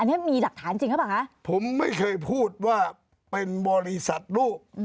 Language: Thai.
อันนี้มีหลักฐานจริงหรือเปล่าคะผมไม่เคยพูดว่าเป็นบริษัทลูก